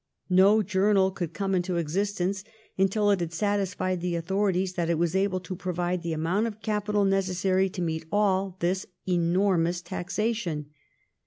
No journal could come into existence until it had sat isfied the authorities that it was able to provide the amount of capital necessary to meet all this enor mous taxation.